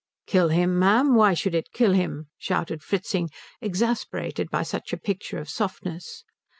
"Kill him, ma'am? Why should it kill him?" shouted Fritzing, exasperated by such a picture of softness.